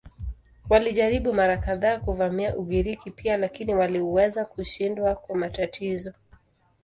Walijaribu mara kadhaa kuvamia Ugiriki pia lakini waliweza kushindwa kwa matatizo.